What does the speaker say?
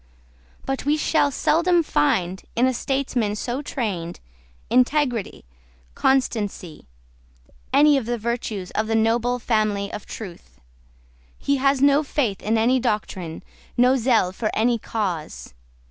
But we shell seldom find, in a statesman so trained, integrity, constancy, any of the virtues of the noble family of Truth. He has no faith in any doctrine, no zeal for any cause.